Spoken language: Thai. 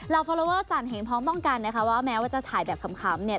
ฟอลลอเวอร์จันทร์เห็นพร้อมต้องกันนะคะว่าแม้ว่าจะถ่ายแบบขำเนี่ย